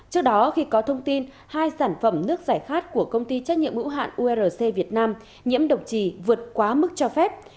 trước đó khi có thông tin hai sản phẩm nước giải khát của công ty trách nhiệm hữu hạn urc việt nam nhiễm độc trì vượt quá mức cho phép